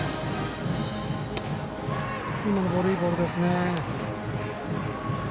今の、いいボールですね。